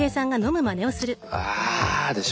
あ！でしょ。